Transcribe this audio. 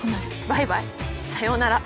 バイバイさようなら。